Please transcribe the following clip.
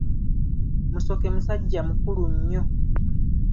Musoke musajja mukulu nnyo.